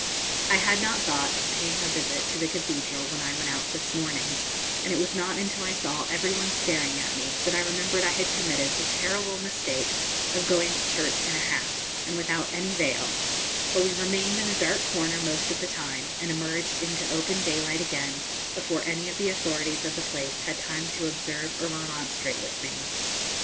I had not thought of paying a visit to the cathedral when I went out this morning, and it was not until I saw every one staring at me that I remembered I had committed the terrible mistake of going to church in a hat, and without any veil; but we remained in a dark corner most of the time, and emerged into open daylight again before any of the authorities of the place had time to observe or remonstrate with me.